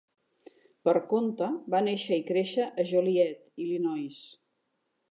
Perconte va néixer i créixer a Joliet, Illinois.